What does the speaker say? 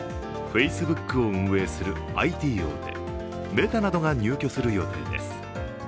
フェイスブックを運営するＩＴ大手メタなどが入居する予定です。